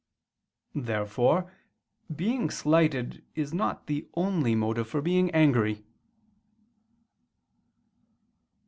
Therefore being slighted is not the only motive for being angry.